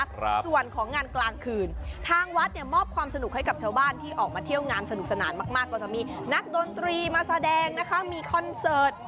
ครับส่วนของงานกลางคืนทางวัดเนี่ยมอบความสนุกให้กับชาวบ้านที่ออกมาเที่ยวงานสนุกสนานมากมากก็จะมีนักดนตรีมาแสดงนะคะมีคอนเสิร์ต